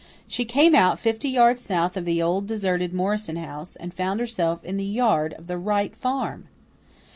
She came out fifty yards south of the old deserted Morrison house, and found herself in the yard of the Wright farm!